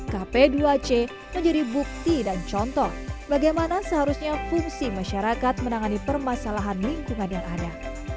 kp dua c menjadi bukti dan contoh bagaimana seharusnya fungsi masyarakat menangani permasalahan lingkungan yang ada